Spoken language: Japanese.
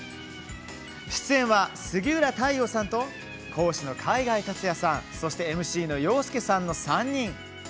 出演は、杉浦太陽さんと講師の海外竜也さんそしてＭＣの洋輔さんの３人。